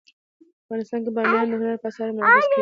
افغانستان کې بامیان د هنر په اثار کې منعکس کېږي.